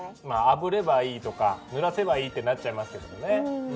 まああぶればいいとかぬらせばいいってなっちゃいますけどね。